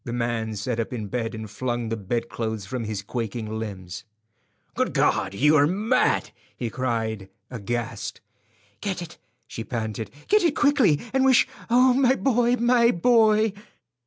The man sat up in bed and flung the bedclothes from his quaking limbs. "Good God, you are mad!" he cried, aghast. "Get it," she panted; "get it quickly, and wish—Oh, my boy, my boy!"